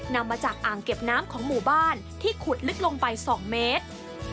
นำมาจากอ่างเก็บน้ำของหมู่บ้านที่ขุดลึกลงไป๒เมตร